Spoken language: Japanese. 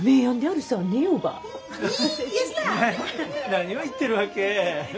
何を言ってるわけ。